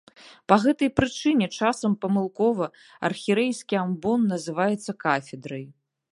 Па гэтай прычыне часам памылкова архірэйскі амбон называецца кафедрай.